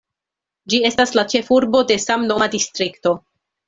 Ĝi estas la ĉefurbo de samnoma distrikto.